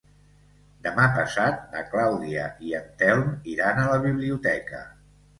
Demà passat na Clàudia i en Telm iran a la biblioteca.